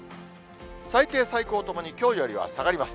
最低、最高ともにきょうよりは下がります。